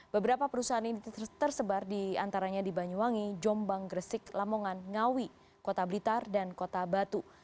beberapa perusahaan ini tersebar di antaranya di banyuwangi jombang gresik lamongan ngawi kota blitar dan kota batu